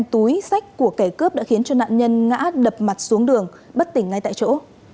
túi sách của kẻ cướp đã khiến cho nạn nhân ngã đập mặt xuống đường bất tỉnh ngay tại chỗ